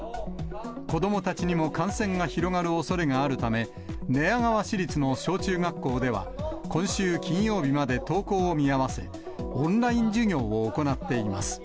子どもたちにも感染が広がるおそれがあるため、寝屋川市立の小中学校では、今週金曜日まで登校を見合わせ、オンライン授業を行っています。